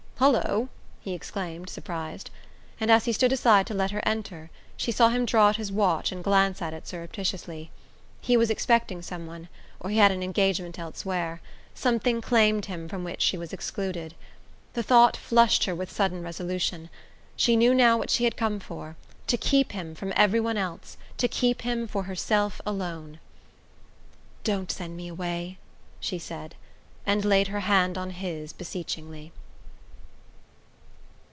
"Hullo!" he exclaimed, surprised; and as he stood aside to let her enter she saw him draw out his watch and glance at it surreptitiously. He was expecting someone, or he had an engagement elsewhere something claimed him from which she was excluded. The thought flushed her with sudden resolution. She knew now what she had come for to keep him from every one else, to keep him for herself alone. "Don't send me away!" she said, and laid her hand on his beseechingly.